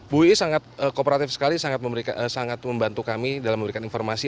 bui sangat kooperatif sekali sangat membantu kami dalam memberikan informasi